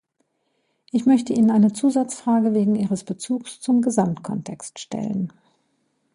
Ich möchte Ihnen eine Zusatzfrage wegen ihres Bezugs zum Gesamtkontext stellen.